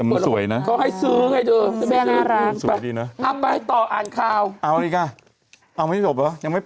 ไม่ใช่ก็เดี๋ยวไปทำป้ายเขาก็ไปเอาป้ายได้